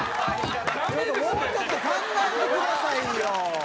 もうちょっと考えてくださいよ！